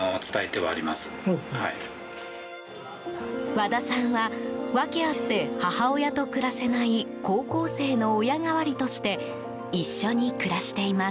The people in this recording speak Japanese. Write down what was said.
和田さんは訳あって母親と暮らせない高校生の親代わりとして一緒に暮らしています。